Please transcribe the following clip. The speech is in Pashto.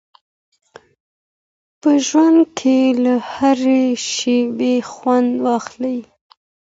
په ژوند کي له هرې شیبې خوند واخلئ.